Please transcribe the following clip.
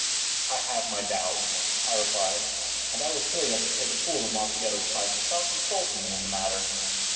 "I have my doubts," I replied; "and I was silly enough to pay the full Amontillado price without consulting you in the matter.